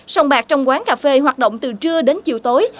sông bạc trong quán cà phê hoạt động từ trưa đến chiều tối